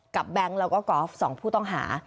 แบงค์แล้วก็กอล์ฟ๒ผู้ต้องหา